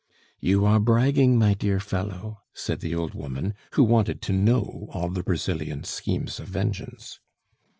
"You are bragging, my dear fellow," said the old woman, who wanted to know all the Brazilian's schemes of vengeance.